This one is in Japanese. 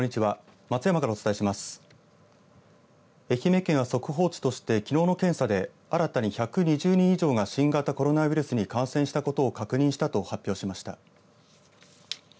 愛媛県は速報値としてきのうの検査で新たに１２０人以上が新型コロナウイルスに感染したことを確認したと発表しました。